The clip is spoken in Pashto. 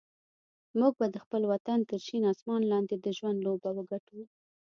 موږ به د خپل وطن تر شین اسمان لاندې د ژوند لوبه وګټو.